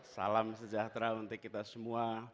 salam sejahtera untuk kita semua